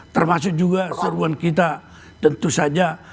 termasuk juga seruan kita tentu saja